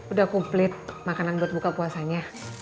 udah kumplit makanan buat buka puasanya